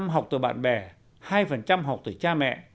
một mươi học từ bạn bè hai học từ cha mẹ